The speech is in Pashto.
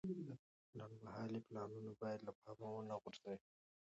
لنډمهاله پلانونه باید له پامه ونه غورځوو.